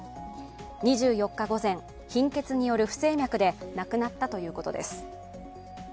２４日午前、貧血による不整脈で亡くなったということです。